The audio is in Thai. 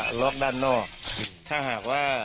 ทีมข่าวเราก็พยายามสอบปากคำในแหบนะครับ